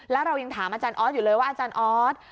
แล้วเรายังถามอาจารย์ออสอยู่เลยว่าอาจารย์ออส